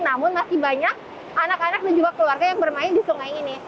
namun masih banyak anak anak dan juga keluarga yang bermain di sungai ini